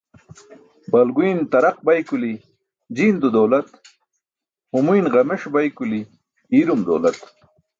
Balguyn taraq bay kuli jiindo dawlat, humuyn ġameṣ bay kuli iirum dawlat.